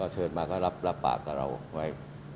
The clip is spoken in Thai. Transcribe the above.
เชิญมาก็รับปากกับเราไว้